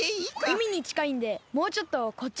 うみにちかいんでもうちょっとこっちで。